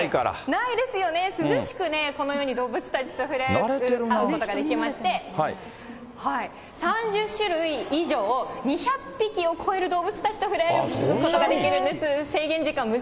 このように動物たちと触れ合うことができまして、３０種類以上、２００匹を超える動物たちと触れ合うことができるんです。